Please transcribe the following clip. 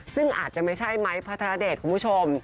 ซึ่งอาจจะไม่ใช่ไม้พระธรเดชคุณผู้ชม